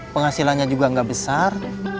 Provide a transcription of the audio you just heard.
penghasilannya juga nggak besar